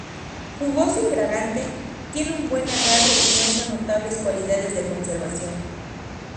Jugoso y fragante, tiene un buen agarre y muestra notables cualidades de conservación.